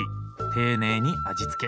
丁寧に味付け。